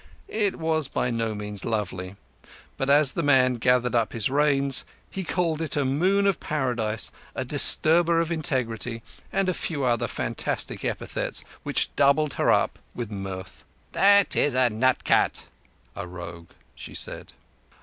It was by no means lovely, but as the man gathered up his reins he called it a Moon of Paradise, a Disturber of Integrity, and a few other fantastic epithets which doubled her up with mirth. "That is a nut cut (rogue)," she said.